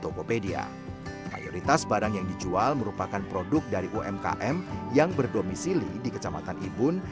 tokopedia mayoritas barang yang dijual merupakan produk dari umkm yang berdomisili di kecamatan ibun